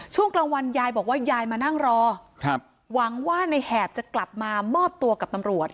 ช่วงกลางวันยายบอกว่ายายมานั่งรอหวังว่าในแหบจะกลับมามอบตัวกับตำรวจ